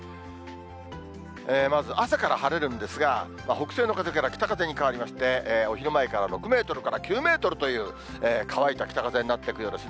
まず、朝から晴れるんですが、北西の風から北風に変わりまして、お昼前から、６メートルから９メートルという乾いた北風になっていくようですね。